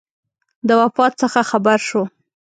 د وفات څخه خبر شو.